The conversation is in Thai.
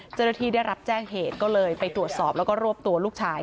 เจ้าหน้าที่ได้รับแจ้งเหตุก็เลยไปตรวจสอบแล้วก็รวบตัวลูกชาย